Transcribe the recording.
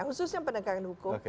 khususnya penegakan hukum